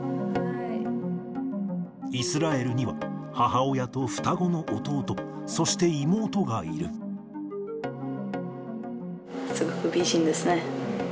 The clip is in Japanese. イスラエルには、母親と双子の弟、すごく美人ですね。